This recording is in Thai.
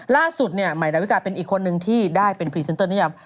ล่าสุดใหม่ดาวิกาเป็นอีกคนนึงที่ได้เป็นพรีเซนเตอร์นิยม